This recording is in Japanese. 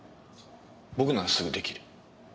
僕ならすぐできる。